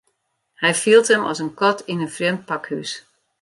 Hy fielt him as in kat yn in frjemd pakhús.